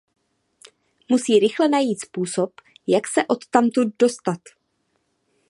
Musí rychle najít způsob jak se odtamtud dostat.